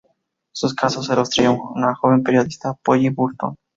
Sus casos se los traía una joven periodista, Polly Burton.